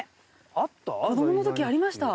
子供のときありました。